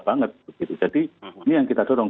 banget jadi ini yang kita dorong